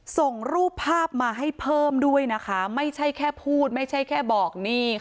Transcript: ส่งรูปภาพมาให้เพิ่มไม่ใช่แค่พูดไม่ใช่แค่บอก